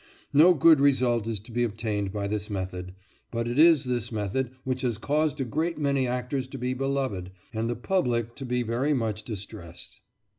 No good result is to be obtained by this method, but it is this method which has caused a great many actors to be beloved, and the public to be very much distressed.